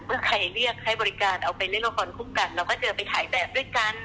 ใครเรียกให้บริการเอาไปเล่นละครคู่กันเราก็เจอไปถ่ายแบบด้วยกัน